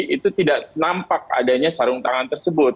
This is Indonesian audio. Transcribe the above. itu tidak nampak adanya sarung tangan tersebut